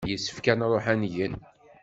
Yessefk ad nṛuḥ ad ngen.